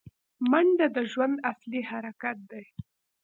منډه د ژوند اصلي حرکت دی